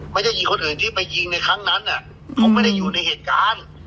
ไม่ใช่ยิงคนอื่นที่ไปยิงในครั้งนั้นเขาไม่ได้อยู่ในเหตุการณ์